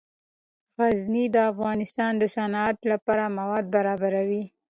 غزني د افغانستان د صنعت لپاره مواد برابروي.